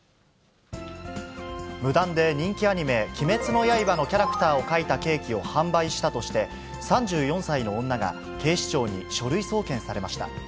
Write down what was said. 無断で人気アニメ、鬼滅の刃のキャラクターを描いたケーキを販売したとして、３４歳の女が警視庁に書類送検されました。